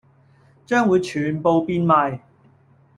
將會全部變賣